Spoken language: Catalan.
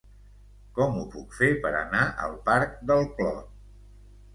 Com ho puc fer per anar al parc del Clot?